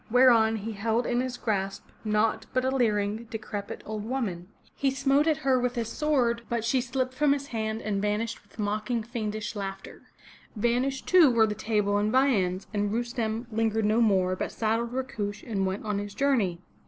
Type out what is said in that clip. '' Whereon he held in his grasp naught but a leering, decrepit, old woman. He smote at her with his sword, but she ^ The Persian name for God. 445 MY BOOK HOUSE slipped from his hand and vanished with mocking, fiendish laughter. Vanished, too, were the table and viands, and Rustem lingered no more, but saddled Rakush and went on his journey.